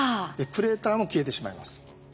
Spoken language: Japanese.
クレーターも消えてしまいます。